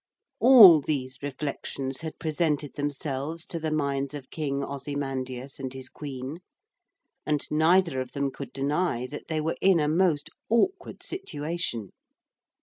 All these reflections had presented themselves to the minds of King Ozymandias and his Queen, and neither of them could deny that they were in a most awkward situation.